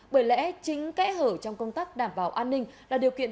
bởi lẽ chính kẽ hở trong công tác đảm bảo an ninh là điều kiện